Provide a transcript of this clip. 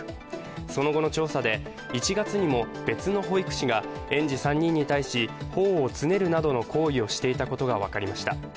その後の調査で１月にも別の保育士が園児３人に対して頬をつねるなどの行為をしていたことが分かりました。